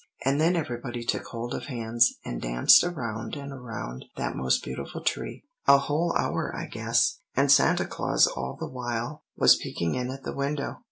And then everybody took hold of hands, and danced around and around that most beautiful tree a whole hour I guess, and Santa Claus all the while was peeking in at the window.